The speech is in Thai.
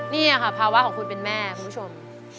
นี่ค่ะภาวะของคนเป็นแม่คุณผู้ชม